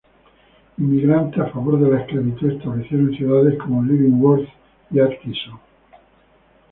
Inmigrantes a favor de la esclavitud establecieron ciudades como Leavenworth y Atchison.